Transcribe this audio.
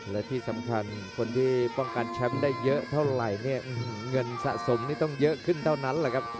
และที่สำคัญคนที่ป้องกันแชมป์ได้เยอะเท่าไหร่เนี่ยเงินสะสมนี่ต้องเยอะขึ้นเท่านั้นแหละครับ